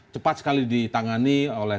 cepat sekali ditangani oleh